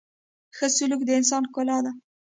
• ښه سلوک د انسان ښکلا ده.